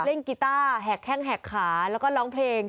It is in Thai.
กีต้าแหกแข้งแหกขาแล้วก็ร้องเพลง